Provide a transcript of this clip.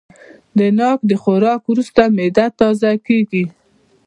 د ناک د خوراک وروسته معده تازه کېږي.